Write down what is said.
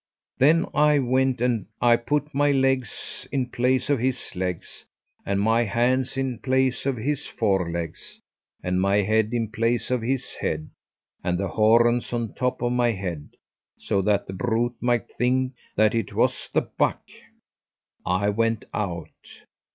Then I went and I put my legs in place of his legs, and my hands in place of his forelegs, and my head in place of his head, and the horns on top of my head, so that the brute might think that it was the buck. I went out.